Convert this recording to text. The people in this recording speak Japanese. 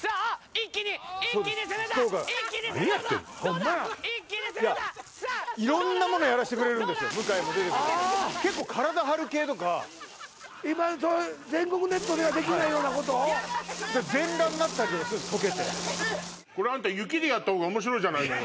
一気に一気に攻めたい一気に攻めるかどうだ何やってんのホンマやいや色んなものやらせてくれるんですよ向井も出ててああ結構体張る系とか今そういう全国ネットではできないようなことを全裸になったりとかするんですコケてこれあんた雪でやったほうが面白いじゃないのよ